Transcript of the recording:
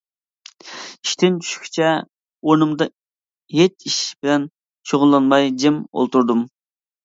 ئىشتىن چۈشكىچە ئورنۇمدا ھېچ ئىش بىلەن شۇغۇللانماي جىم ئولتۇردۇم.